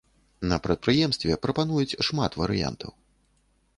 На прадпрыемстве прапануюць шмат варыянтаў.